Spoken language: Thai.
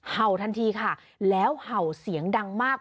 เห่าทันทีค่ะแล้วเห่าเสียงดังมาก